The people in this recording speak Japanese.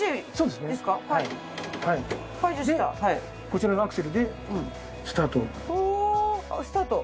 こちらがアクセルでスタート。